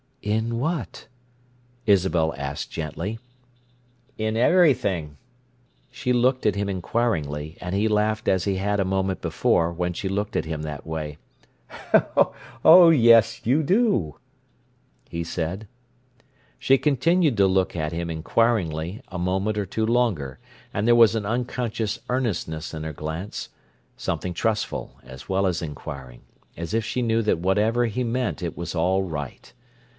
"In what?" Isabel asked gently. "In everything!" She looked at him inquiringly, and he laughed as he had a moment before, when she looked at him that way. "Oh, yes, you do!" he said. She continued to look at him inquiringly a moment or two longer, and there was an unconscious earnestness in her glance, something trustful as well as inquiring, as if she knew that whatever he meant it was all right.